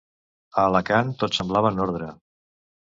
A Alacant tot semblava en ordre.